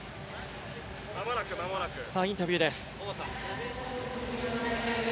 さあ、インタビューです。